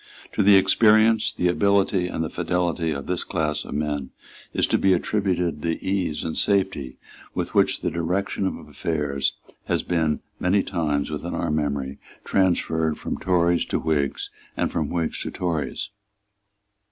To the experience, the ability and the fidelity of this class of men is to be attributed the ease and safety with which the direction of affairs has been many times, within our own memory, transferred from Tories to Whigs and from Whigs to Tories.